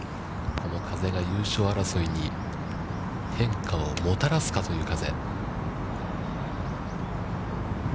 この風が優勝争いに変化をもたらすかという風。